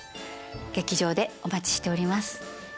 劇場でお待ちしております。